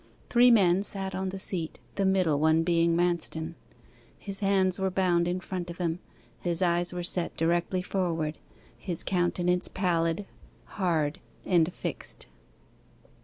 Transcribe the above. Three men sat on the seat, the middle one being Manston. His hands were bound in front of him, his eyes were set directly forward, his countenance pallid, hard, and fixed.